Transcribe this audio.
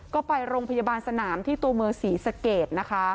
ก็ไปโรงพยาบาลสนามที่ตัวเมอร์ศรีสเกต